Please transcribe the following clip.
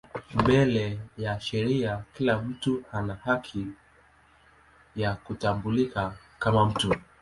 Mbele ya sheria kila mtu ana haki ya kutambulika kama mtu.